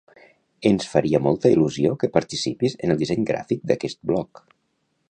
Ens faria molta il·lusió que participis en el disseny gràfic d'aquest blog!